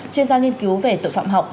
chuyên gia nghiên cứu về tội phạm học